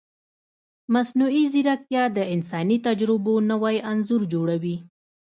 مصنوعي ځیرکتیا د انساني تجربو نوی انځور جوړوي.